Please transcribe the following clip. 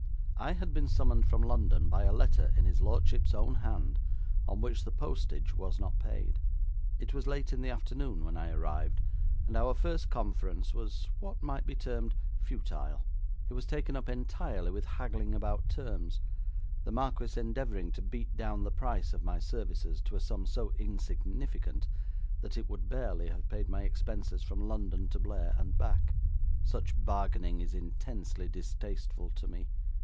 I had been summoned from London by a letter in his lordship's own hand, on which the postage was not paid. It was late in the afternoon when I arrived, and our first conference was what might be termed futile. It was take up entirely with haggling about terms, the marquis endeavouring to beat down the price of my services to a sum so insignificant that it would barely have paid my expenses from London to Blair and back. Such bargaining is intensely distasteful to me.